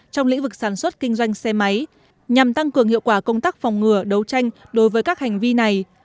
trong lĩnh vực sản xuất kinh doanh xe máy nhằm tăng cường hiệu quả công tác phòng ngừa đấu tranh đối với các hành vi này